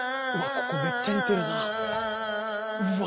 ここめっちゃ似てるなうわ